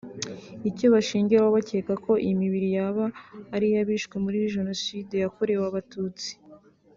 Icyo bashingiraho bakeka ko iyi mibiri yaba ari iy’abishwe muri Jenoside yakorewe Abatutsi